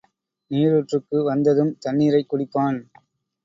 நீரூற்றுக்கு வந்ததும் தண்ணிரைக் குடிப்பான்.